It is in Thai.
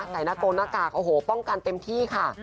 หน้าโกงหน้ากากโอ้โหป้องกันเต็มที่ค่ะ